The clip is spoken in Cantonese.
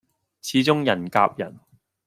始終人夾人